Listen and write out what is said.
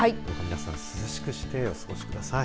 皆さん涼しくしてお過ごしください。